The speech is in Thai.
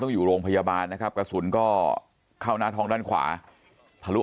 อยู่โรงพยาบาลนะครับกระสุนก็เข้าหน้าท้องด้านขวาทะลุ